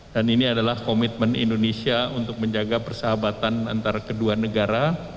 dan ini adalah komitmen indonesia untuk menjaga persahabatan antara kedua negara